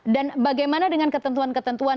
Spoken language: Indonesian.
dan bagaimana dengan ketentuan ketentuan